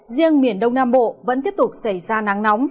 riêng miền đông nam bộ vẫn tiếp tục xảy ra nắng nóng